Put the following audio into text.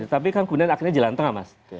tapi kan kemudian akhirnya jalan tengah mas